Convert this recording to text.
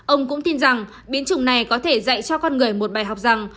ông cũng tin rằng biến chủng này có thể dạy cho con người một bài học rằng